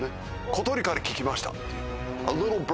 小鳥から聞きましたっていう。